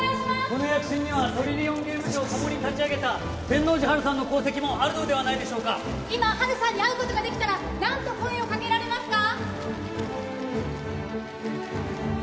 この躍進にはトリリオンゲーム社をともに立ち上げた天王寺陽さんの功績もあるのではないでしょうか今陽さんに会うことができたら何と声をかけられますか？